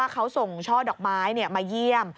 เขาส่งช่อดอกไม้มาเยี่ยม